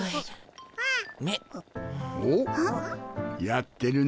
やってるな。